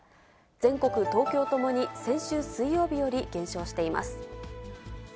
全国、東京ともに先週水曜日より減少しています。